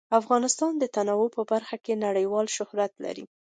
افغانستان د تنوع په برخه کې نړیوال شهرت لري.